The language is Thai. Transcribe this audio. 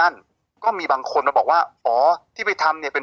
มันก็ไม่ได้เห็นผลอะไรบอกเลยว่ามัน